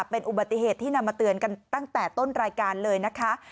เป็นอุบัติเหตุที่นำมาเตือนกันตั้งแต่ต้นรายการเลยนะคะ